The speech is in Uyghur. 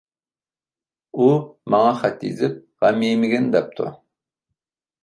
-ئۇ ماڭا خەت يېزىپ، غەم يېمىگىن، دەپتۇ!